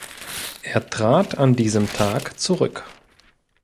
Er trat an diesem Tag zurück.